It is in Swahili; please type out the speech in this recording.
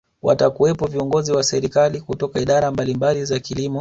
watakuwepo viongozi wa serikali kutoka idara mbalimbali za kilimo